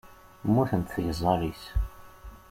Mmutent tgeẓẓal-is.